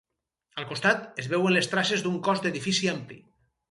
Al costat, es veuen les traces d'un cos d'edifici ampli.